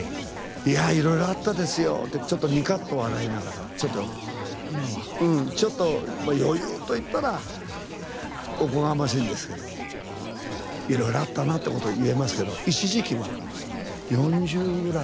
いろいろあったですよってニカッと笑いながらちょっと余裕と言ったらおこがましいんですけどもいろいろあったなと思いますが一時期は４０ぐらい。